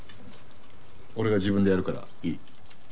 俺が自分でやるからいい。